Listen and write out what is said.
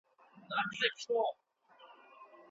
ولي هڅاند سړی د با استعداده کس په پرتله ښه ځلېږي؟